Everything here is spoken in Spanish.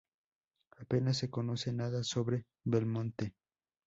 Apenas se conoce nada sobre Belmonte.